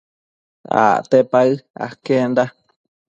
Acte paë aquenda